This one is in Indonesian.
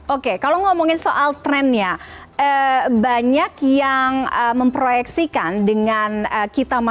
oke kalau ngomongin soal trendnya banyak yang memproyeksikan dengan kita masuk ke digital ya mbak